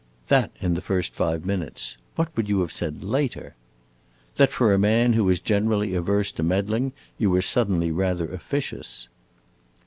'" "That in the first five minutes. What would you have said later?" "That for a man who is generally averse to meddling, you were suddenly rather officious."